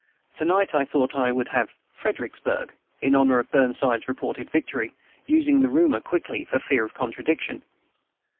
To night I thought I would have "Fredericksburg," in honor of Burnside's reported victory, using the rumor quickly, for fear of a contradiction.